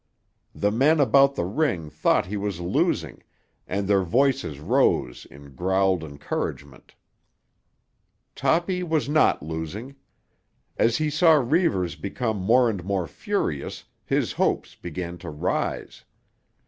The men about the ring thought he was losing, and their voices rose in growled encouragement. Toppy was not losing. As he saw Reivers become more and more furious his hopes began to rise.